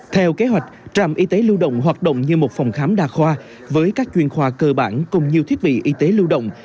theo kế hoạch trạm y tế lưu động hoạt động như một phòng khám đa khoa với các chuyên khoa cơ bản cùng nhiều thiết bị y tế lưu động